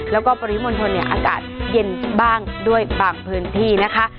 แล้วก็ปริมณฑลเนี่ยอากาศเย็นบ้างด้วยบางพื้นที่นะคะ